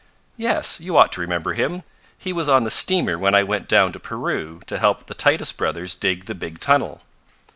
"Yes. You ought to remember him. He was on the steamer when I went down to Peru to help the Titus Brothers dig the big tunnel.